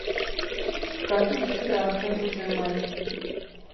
Katu itxura hartzen dute maiz.